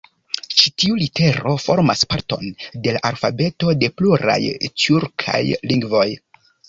Ĉi tiu litero formas parton de la alfabeto de pluraj tjurkaj lingvoj.